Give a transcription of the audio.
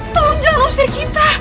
tolong jangan usir kita